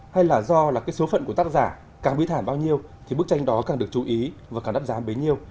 hay là do số phận của tác giả càng bí thảm bao nhiêu bức tranh đó càng được chú ý và càng đắt giá bấy nhiêu